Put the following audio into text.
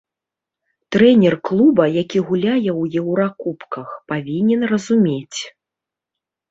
Трэнер клуба, які гуляе ў еўракубках, павінен разумець.